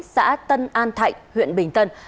xã tân an thạnh huyện bình tân